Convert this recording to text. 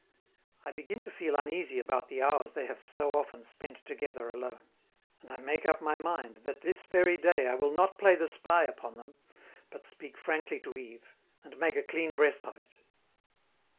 I begin to feel uneasy about the hours they have so often spent together alone; and I make up my mind that this very day I will not play the spy upon them, but speak frankly to Yves, and make a clean breast of it.